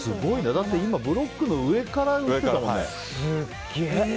だって今ブロックの上から打ってたもんね。